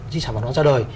di sản bản đoán ra đời